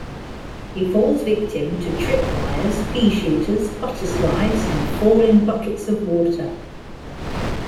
He falls victim to tripwires, peashooters, butter-slides, and falling buckets of water.